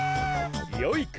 よいか！